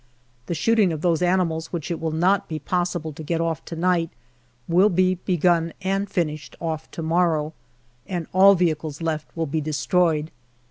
The shooting of those animals which it will not be possible to get off to night will be begun and finished off to morrow, and all vehicles left will be destroyed.